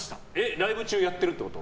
ライブ中やってるってこと？